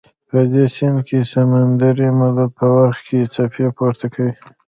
په دې سیند کې سمندري مد په وخت کې څپې پورته کوي.